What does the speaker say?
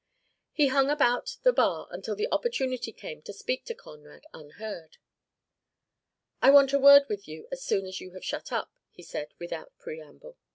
He hung about the bar until the opportunity came to speak to Conrad unheard. "I want a word with you as soon as you have shut up," he said without preamble.